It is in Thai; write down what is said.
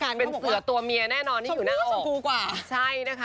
ผู้หนืนเจียนเหลือตัวเมียแน่นอนที่อยู่หน้าอก